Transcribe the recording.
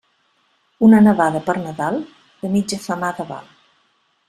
Una nevada per Nadal, de mitja femada val.